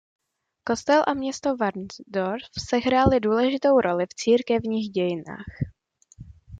Kostel a město Varnsdorf sehrály důležitou roli v církevních dějinách.